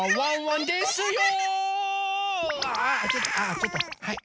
ああちょっとはい。